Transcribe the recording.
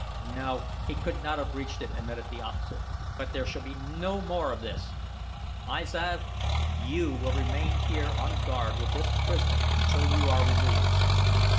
"No, he could not have reached it," admitted the officer; "but there shall be no more of this! I Zav, you will remain here on guard with this prisoner until you are relieved."